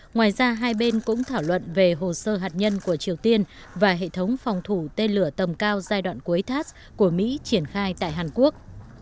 ngoài ra hai bên cũng thảo luận về hồ sơ hạt nhân của triều tiên và hệ thống phòng thủ tên lửa tầm cao giai đoạn cuối thas của mỹ triển khai tại hàn quốc